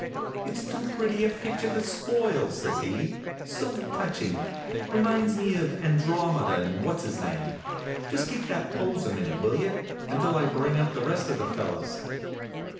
"It's too pretty a picture to spoil," says he. "So touching! Reminds me of Andromeda and What's his name. Just keep that pose a minute, will you, until I bring up the rest of the fellows?"